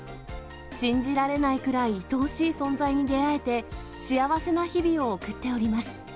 信じられないくらいいとおしい存在に出会えて、幸せな日々を送っております。